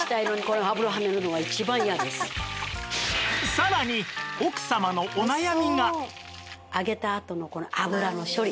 さらに奥様のお悩みが